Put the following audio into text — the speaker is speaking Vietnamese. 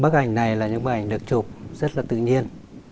đây là những bức ảnh được chụp rất là tự nhiên